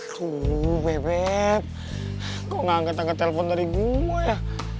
tuh bebek kok ga ngetan ke telpon dari gue ya